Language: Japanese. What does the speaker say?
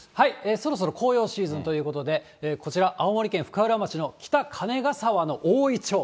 そろそろ紅葉シーズンということで、こちら、青森県深浦町の北金ヶ沢の大銀杏。